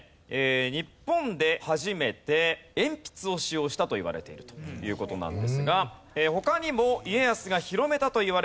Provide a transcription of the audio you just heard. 日本で初めて鉛筆を使用したといわれているという事なんですが他にも家康が広めたといわれるものがあります。